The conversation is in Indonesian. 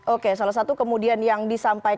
oke salah satu kemudian yang disampaikan